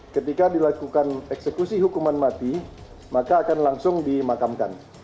ketika dilakukan eksekusi hukuman mati maka akan langsung dimakamkan